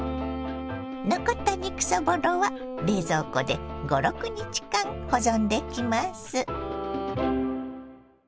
残った肉そぼろは冷蔵庫で５６日間保存できます。